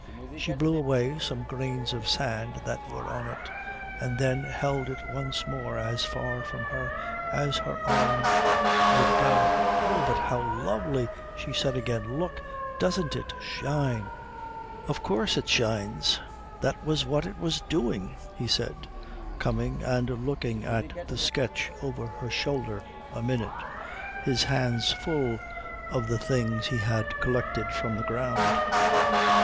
She blew away some grains of sand that were on it and then held it once more as far from her as her arm would go. "Oh, but how lovely!" she said again. "Look doesn't it shine?" "Of course it shines. That was what it was doing," he said, coming and looking at the sketch over her shoulder a minute, his hands full of the things he had collected from the ground.